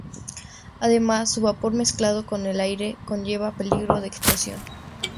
Además, su vapor mezclado con el aire conlleva peligro de explosión.